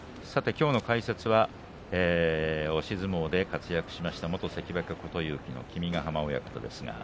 きょうの解説は押し相撲で活躍した元関脇琴勇輝の君ヶ濱親方です。